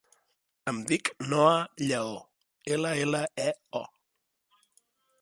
Em dic Noha Lleo: ela, ela, e, o.